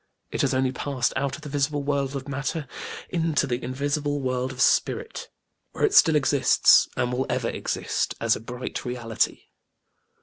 It has only passed out of the visible world of matter into the invisible world of Spirit, where it still exists and will ever exist, as a bright reality.